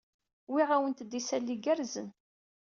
Wwiɣ-awent-d isali igerrzen.